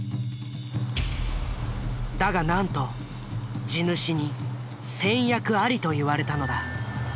だがなんと地主に「先約あり」と言われたのだ。